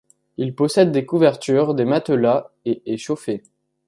Il possède des couvertures, des matelas et est chauffé.